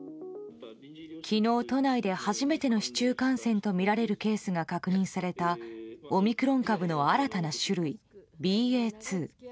昨日、都内で初めての市中感染とみられるケースが確認されたオミクロン株の新たな種類ＢＡ．２。